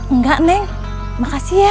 enggak neng makasih ya